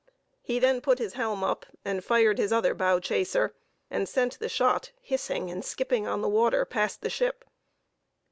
He then put his helm up, and fired his other bow chaser, and sent the shot hissing and skipping on the water past the ship.